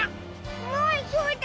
あっそうだ。